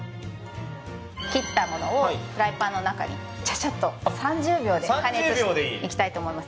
切ったものをフライパンの中にちゃちゃっと３０秒で加熱していきたいと思います。